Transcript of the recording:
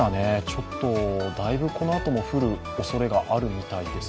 ちょっと、だいぶこのあとも降るおそれがあるみたいです。